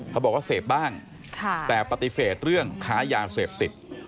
เขาบอกว่าเสพบ้างแต่ปฏิเสธเรื่องค้ายาเสพติด